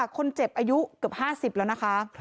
คนเจ็บอายุเกือบ๕๐แล้วนะคะ